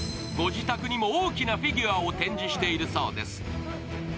ご自宅にも大きなフィギュアを展示しているそうです。